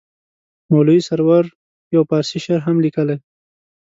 مولوي سرور یو فارسي شعر هم لیکلی.